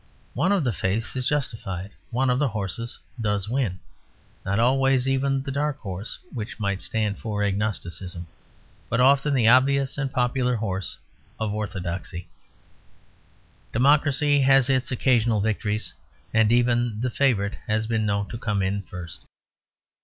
One of the faiths is justified; one of the horses does win; not always even the dark horse which might stand for Agnosticism, but often the obvious and popular horse of Orthodoxy. Democracy has its occasional victories; and even the Favourite has been known to come in first.